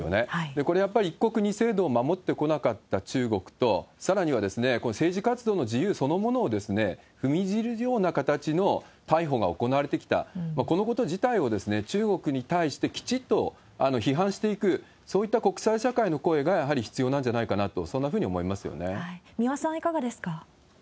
これやっぱり一国二制度を守ってこなかった中国と、さらにはこの政治活動の自由そのものを踏みにじるような形の逮捕が行われてきた、このこと自体を中国に対してきちっと批判していく、そういった国際社会の声が、やはり必要なんじゃないかなと、三輪さん、いかがですか。